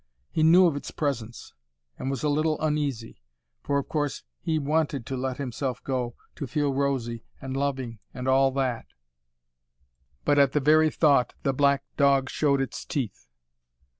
He knew of its presence and was a little uneasy. For of course he wanted to let himself go, to feel rosy and loving and all that. But at the very thought, the black dog showed its teeth.